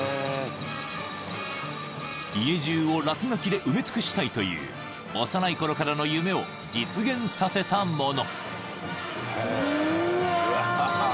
［家じゅうを落書きで埋め尽くしたいという幼いころからの夢を実現させたもの］